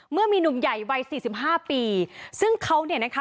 เมื่อมีหนุ่มใหญ่วัยสี่สิบห้าปีซึ่งเขาเนี่ยนะคะ